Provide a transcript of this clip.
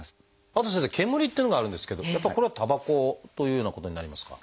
あと先生煙っていうのがあるんですけどやっぱこれはたばこというようなことになりますか？